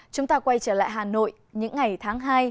chúng ta quay trở lại hà nội những ngày tháng hai